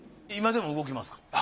今でも動きますか？